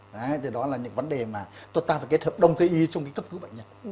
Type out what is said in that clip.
đấy thì đó là những vấn đề mà tụi ta phải kết hợp đồng tư y trong cái cấp cứu bệnh nhân